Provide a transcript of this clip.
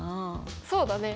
そうだね。